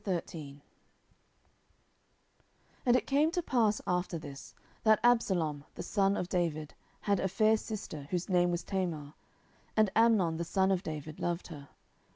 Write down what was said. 10:013:001 And it came to pass after this, that Absalom the son of David had a fair sister, whose name was Tamar; and Amnon the son of David loved her.